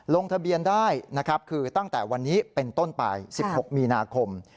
ลงทะเบียนได้นะครับคือตั้งแต่วันนี้เป็นต้นไป๑๖มีนาคม